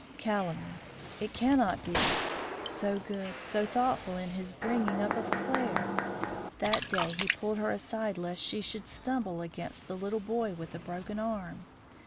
"Calumny! it cannot be! so good so thoughtful in his bringing up of Claire that day he pulled her aside lest she should stumble against the little boy with the broken arm.